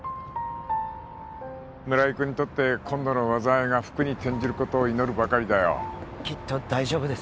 村井君にとって今度の災いが福に転じることを祈るばかりだよきっと大丈夫です